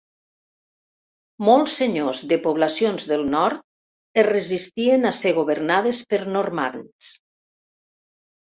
Molts senyors de poblacions del nord es resistien a ser governades per normands.